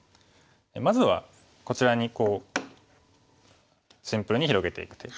まずはこちらにこうシンプルに広げていく手。